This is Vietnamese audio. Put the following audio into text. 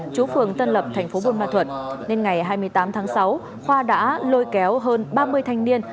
chú phường tân lập thành phố buôn ma thuật nên ngày hai mươi tám tháng sáu khoa đã lôi kéo hơn ba mươi thanh niên